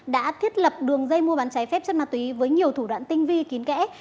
đã thiết lập đường dây mua bán trái phép chất ma túy với nhiều thủ đoạn tinh vi kín kẽ